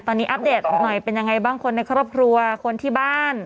ตอนนี้อัปเดตหน่อยเป็นยังไงบ้างคนในครอบครัวคนที่บ้าน